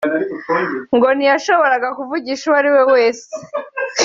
ngo ntiyashoboraga kuvugisha uwo ari we wese